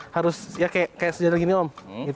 harus kayak sejarih gini om